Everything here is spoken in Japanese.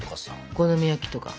お好み焼きとか。